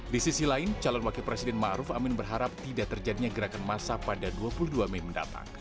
di sisi lain calon wakil presiden ⁇ maruf ⁇ amin berharap tidak terjadinya gerakan masa pada dua puluh dua mei mendatang